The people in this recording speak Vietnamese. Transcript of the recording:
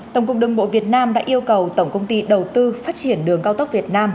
tổng cục đường bộ việt nam đã yêu cầu tổng công ty đầu tư phát triển đường cao tốc việt nam